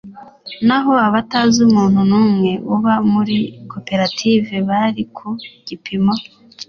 naho abatazi umuntu n umwe uba muri koperative bari ku gipimo